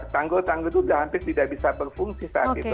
tanggul tanggul itu sudah hampir tidak bisa berfungsi saat itu